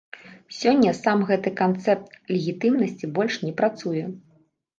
Сёння сам гэты канцэпт легітымнасці больш не працуе.